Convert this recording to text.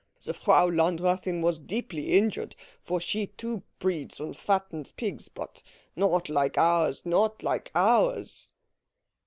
The Frau Landräthin was deeply injured, for she too breeds and fattens pigs, but not like ours not like ours."